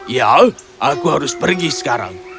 ya aku harus pergi sekarang